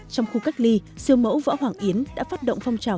trong khu cách ly siêu mẫu võ hoàng yến đã phát động phong trào